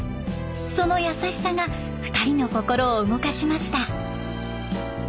その優しさが２人の心を動かしました。